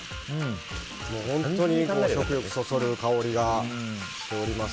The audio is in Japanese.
本当に食欲そそる香りがしております。